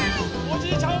おじいちゃん